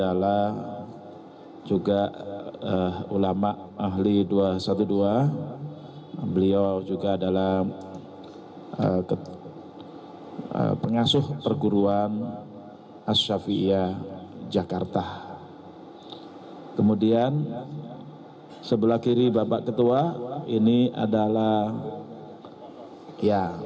alhamdulillah saya berterima kasih